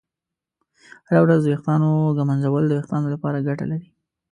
هره ورځ د ویښتانو ږمنځول د ویښتانو لپاره ګټه لري.